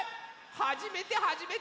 はじめてはじめて。